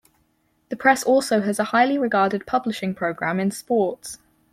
The press also has a highly regarded publishing program in sports.